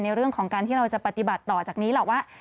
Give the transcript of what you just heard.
ในเรื่องของการที่เราจะปฏิบัติต่อจากนี้หรอกว่า